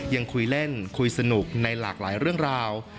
ยังคุยเล่นคุยสนุกในหลากหลายเรื่องราว